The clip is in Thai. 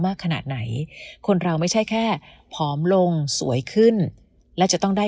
ขนาดไหนคนเราไม่ใช่แค่ผอมลงสวยขึ้นและจะต้องได้